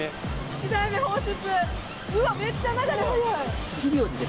１台目放出。